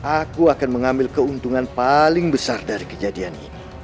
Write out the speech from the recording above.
aku akan mengambil keuntungan paling besar dari kejadian ini